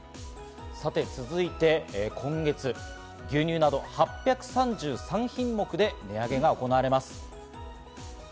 続いて、今月牛乳など８３３品目で値上げが行われます。